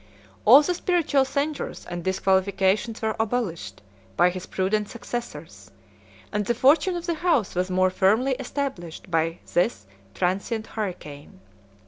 All the spiritual censures and disqualifications were abolished 103 by his prudent successors; and the fortune of the house was more firmly established by this transient hurricane.